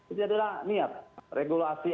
itu adalah niat regulasi